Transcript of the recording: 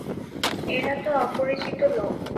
এরা তো অপরিচিত লোক।